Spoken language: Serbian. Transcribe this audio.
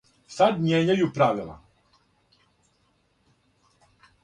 Сад мијењају правила.